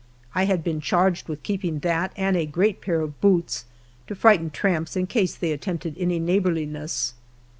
I had be.n charged witli keeping that and a great pair of boots to frighten tramps in case they attempted any neighborliness.